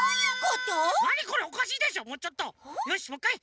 よしもういっかい。